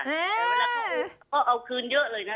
เย้พ่อเอาคืนเยอะเลยนะคะ